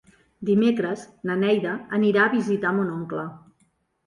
Dimecres na Neida anirà a visitar mon oncle.